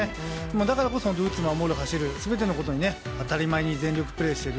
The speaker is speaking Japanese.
だからこそ打つ、守る、走る全てのことに当たり前に全力プレーしている。